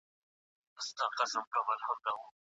د ملکیار هوتک شعر د مینه والو لپاره یو ځانګړی خوند لري.